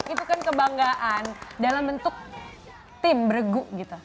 itu kan kebanggaan dalam bentuk tim bregu gitu